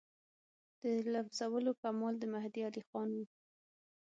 د لمسولو کمال د مهدي علیخان وو.